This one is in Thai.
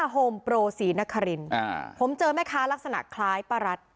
โฮมโปรศรีนครินผมเจอแม่ค้าลักษณะคล้ายป้ารัส